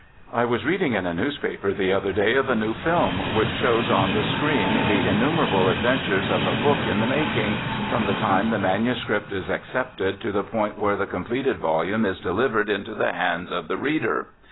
I was reading in a newspaper the other day of a new film which shows on the screen the innumerable adventures of a book in the making, from the time the manuscript is accepted to the point where the completed volume is delivered into the hands of the reader.